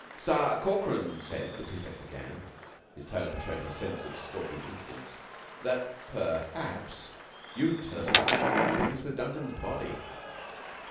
"Sta Corkran said," the prefect began, his tone showing his sense of Stalky's insolence, "that perhaps you'd tell us about that business with Duncan's body."